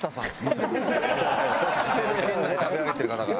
県内食べ歩いてる方が。